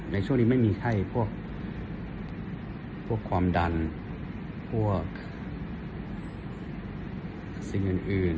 ในช่วงนี้ไม่มีไข้พวกความดันพวกสิ่งอื่น